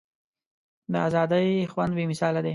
د ازادۍ خوند بې مثاله دی.